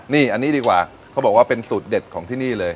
นี่อันนี้ดีกว่าเขาบอกว่าเป็นสูตรเด็ดของที่นี่เลย